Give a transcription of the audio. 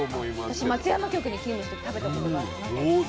私松山局に勤務した時食べたことがあります。